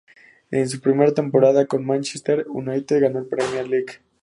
En su primera temporada con Manchester United, ganó la Premier League.